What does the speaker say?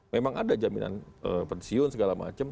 memang ada jaminan pensiun segala macam